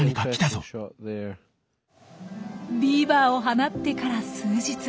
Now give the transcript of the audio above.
ビーバーを放ってから数日。